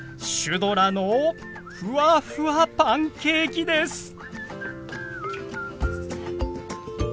「シュドラのふわふわパンケーキ」です！